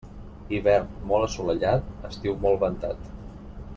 Hivern molt assolellat, estiu molt ventat.